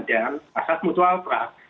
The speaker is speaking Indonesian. dan asas mutual trust